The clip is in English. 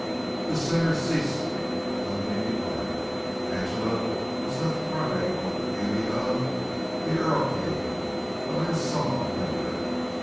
The singer ceased, the company departed. Angela was left crying over the beauty of "The Erlking," the last song rendered.